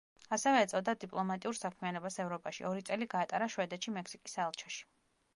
ასევე ეწეოდა დიპლომატიურ საქმიანობას ევროპაში, ორი წელი გაატარა შვედეთში მექსიკის საელჩოში.